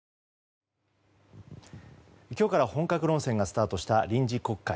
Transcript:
今日から本格論戦がスタートした臨時国会。